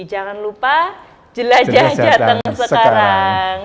jangan lupa jelajah jawa tengah sekarang